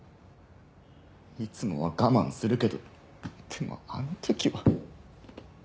いつもは我慢するけどでもあの時は。